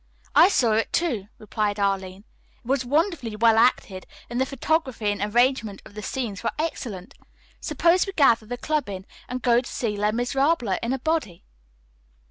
"I saw it, too," replied Arline. "It was wonderfully well acted, and the photography and arrangement of the scenes were excellent. Suppose we gather the club in, and go to see 'Les Miserables' in a body?"